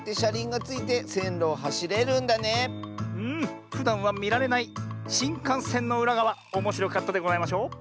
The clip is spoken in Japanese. うん。ふだんはみられないしんかんせんのうらがわおもしろかったでございましょ。